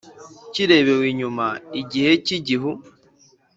kirebewe inyuma igihe cy'igihu